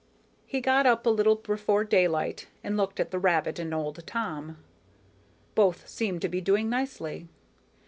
He got up a little before daylight and looked at the rabbit and old Tom. Both seemed to be doing nicely.